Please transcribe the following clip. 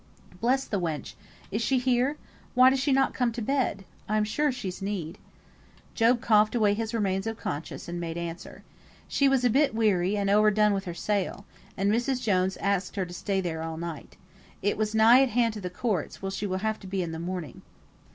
"Bless the wench! Is she here? Why does she not come to bed? I'm sure she's need." Job coughed away his remains of conscience, and made answer, "She was a bit weary, and o'er done with her sail; and Mrs. Jones axed her to stay there all night. It was nigh at hand to the courts, where she will have to be in the morning."